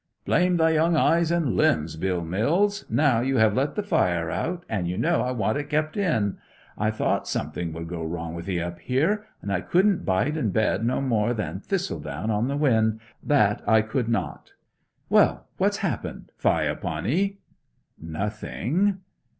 'Blame thy young eyes and limbs, Bill Mills now you have let the fire out, and you know I want it kept in! I thought something would go wrong with 'ee up here, and I couldn't bide in bed no more than thistledown on the wind, that I could not! Well, what's happened, fie upon 'ee?' 'Nothing.'